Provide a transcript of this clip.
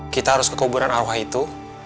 kita harus ke kuburan arwah itu